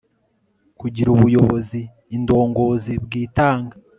kugira ubuyoboziindongozi bwitanga